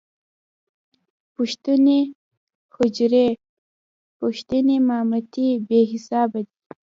پښتنې حجرې، پښتنې مامتې بې صاحبه دي.